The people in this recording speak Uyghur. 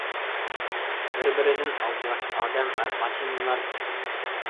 بىر-بىرىدىن ئالدىراش ئادەم ۋە ماشىنىلار ئېقىمى.